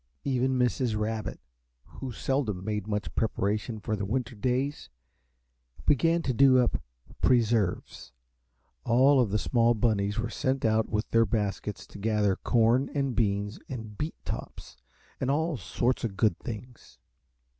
Even Mrs. Rabbit, who seldom made much preparation for the winter days, began to do up preserves; all the small bunnies were sent out with their baskets to gather corn and beans and beet tops and all sorts of good things.